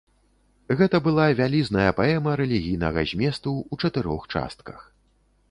Гэта была вялізная паэма рэлігійнага зместу ў чатырох частках.